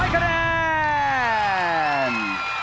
๓๐๐คะแนน